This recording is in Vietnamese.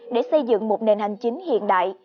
để xây dựng một nền hành chính hiện đại